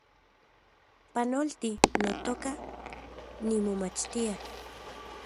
Panolti, notoka, nimomachtia